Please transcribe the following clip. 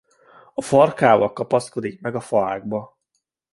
A farkával kapaszkodik meg a faágba.